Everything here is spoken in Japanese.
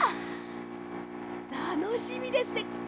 たのしみですね！